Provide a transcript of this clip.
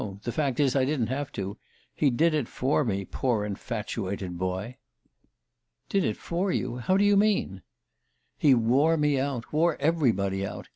The fact is I didn't have to. He did it for me, poor infatuated boy!" "Did it for you? How do you mean?" "He wore me out wore everybody out.